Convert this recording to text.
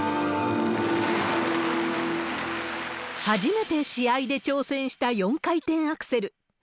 初めて試合で挑戦した４回転アクセル。